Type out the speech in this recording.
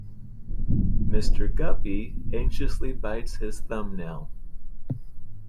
Mr. Guppy anxiously bites his thumb-nail.